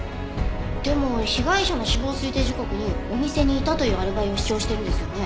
でも被害者の死亡推定時刻にお店にいたというアリバイを主張してるんですよね？